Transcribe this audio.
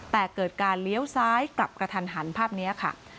แต่เกิดการเลี้ยวซ้ายกลับกระทันหันภาพนี้ค่ะ